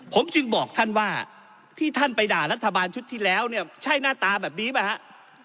ผมจึงบอกท่านว่าที่ท่านไปด่ารัฐบาลชุดที่แล้วเนี่ยใช่หน้าตาแบบนี้ป่ะฮะ